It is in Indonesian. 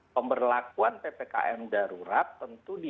pemperlakuan ppkm darurat tentu didasarkan pada fakta epidemiologis yang ada